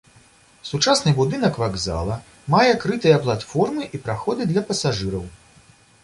Сучасны будынак вакзала мае крытыя платформы і праходы для пасажыраў.